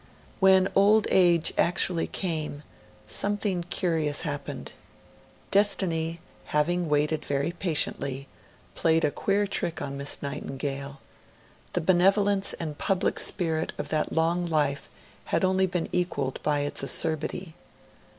When old age actually came, something curious happened. Destiny, having waited very patiently, played a queer trick on Miss Nightingale. The benevolence and public spirit of that long life had only been equalled by its acerbity.